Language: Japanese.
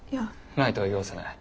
ないとは言わせない。